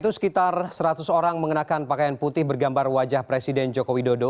itu sekitar seratus orang mengenakan pakaian putih bergambar wajah presiden joko widodo